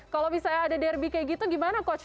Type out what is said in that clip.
kalau misalnya ada derby kayak gitu gimana coach